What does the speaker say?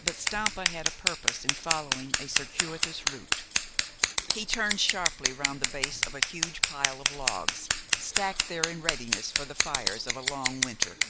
But Stampa had a purpose in following a circuitous route. He turned sharply round the base of a huge pile of logs, stacked there in readiness for the fires of a long winter.